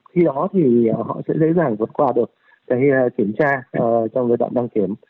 khi đó thì họ sẽ dễ dàng vượt qua được kiểm tra trong đoạn đăng kiểm